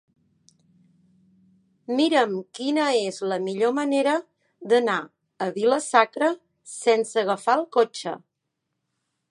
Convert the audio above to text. Mira'm quina és la millor manera d'anar a Vila-sacra sense agafar el cotxe.